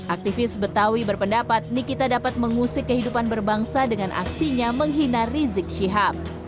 aktivis betawi berpendapat nikita dapat mengusik kehidupan berbangsa dengan aksinya menghina rizik syihab